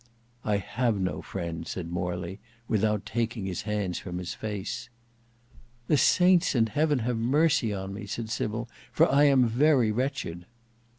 "I have no friend," said Morley, without taking his hands from his face. "The Saints in heaven have mercy on me," said Sybil, "for I am very wretched."